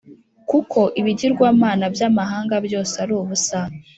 Kuko ibigirwamana by amahanga byose ari ubusa